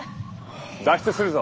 脱出するぞ。